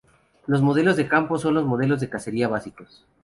Los modelos de campo son los modelos de cacería básicos.